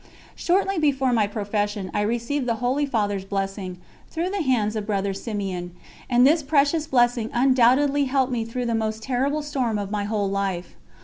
Shortly before my profession I received the Holy Father's blessing, through the hands of Brother Simeon; and this precious Blessing undoubtedly helped me through the most terrible storm of my whole life.